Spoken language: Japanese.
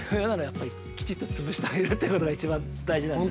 きちっと潰してあげるってことが一番大事なんですよ。